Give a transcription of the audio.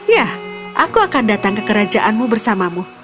ya aku akan datang ke kerajaanmu bersamamu